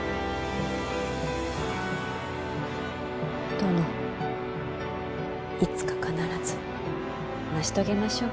殿いつか必ず成し遂げましょう。